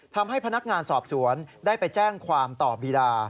ทำให้พนักงานสอบสวนได้ไปแจ้งความต่อบีดา